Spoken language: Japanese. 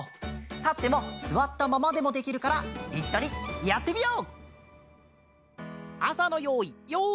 たってもすわったままでもできるからいっしょにやってみよう！